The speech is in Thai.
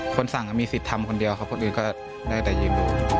คนสั่งมีสิทธิ์ทำคนเดียวครับคนอื่นก็ได้แต่ยืม